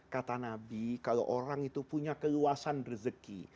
kata nabi kalau orang itu punya keluasan rezeki